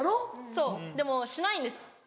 そうでもしないんです。